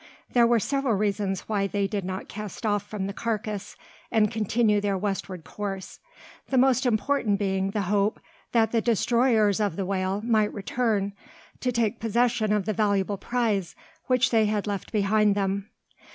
There were several reasons why they did not cast off from the carcass, and continue their westward course: the most important being the hope that the destroyers of the whale might return to take possession of the valuable prize which they had left behind them.